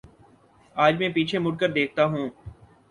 آج میں پیچھے مڑ کر دیکھتا ہوں۔